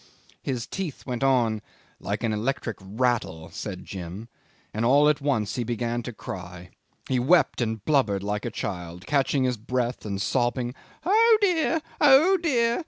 His teeth went on "like an electric rattle," said Jim, "and all at once he began to cry. He wept and blubbered like a child, catching his breath and sobbing 'Oh dear! oh dear!